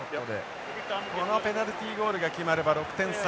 このペナルティゴールが決まれば６点差。